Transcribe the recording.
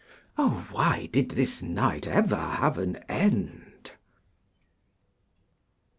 Oh! why did this night ever have an end!